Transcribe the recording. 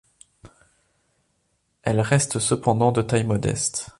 Elles restent cependant de taille modeste.